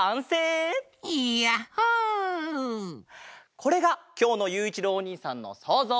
これがきょうのゆういちろうおにいさんのそうぞう。